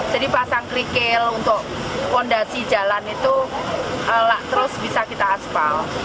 jadi pasang kerikel untuk fondasi jalan itu terus bisa kita aspal